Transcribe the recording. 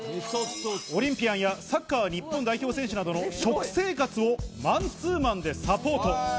オリンピアンやサッカー日本代表選手などの食生活をマンツーマンでサポート。